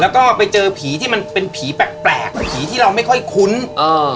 แล้วก็ไปเจอผีที่มันเป็นผีแปลกแปลกผีที่เราไม่ค่อยคุ้นเออ